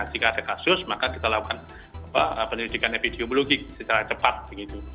jika ada kasus maka kita lakukan penyelidikan epidemiologi secara cepat begitu